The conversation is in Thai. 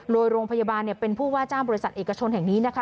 โดยโรงพยาบาลเป็นผู้ว่าจ้างบริษัทเอกชนแห่งนี้นะคะ